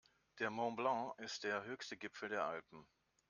Der Mont Blanc ist der höchste Gipfel der Alpen.